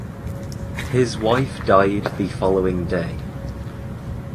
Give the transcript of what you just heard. His wife died the following day.